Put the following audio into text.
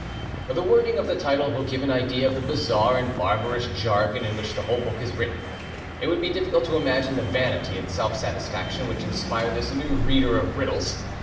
The wording of the title will give an idea of the bizarre and barbarous jargon in which the whole book is written. It would be difficult to imagine the vanity and self satisfaction which inspire this new reader of riddles.